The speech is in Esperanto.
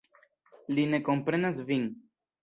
Li ne komprenas vin.